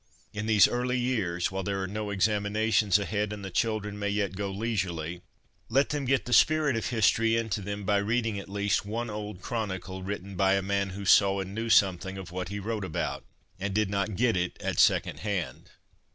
In these early years, while there are no examinations ahead, and the children may yet go leisurely, let them get the spirit of his tory into them by reading, at least, one old Chronicle written by a man who saw and knew something of what he wrote about, and did not get it at second hand.